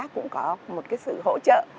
cũng có một sự hỗ trợ